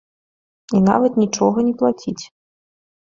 І нават нічога не плаціць.